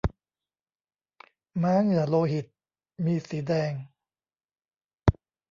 ม้าเหงื่อโลหิต มีสีแดง